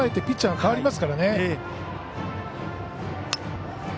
ピッチャー代わりますからね。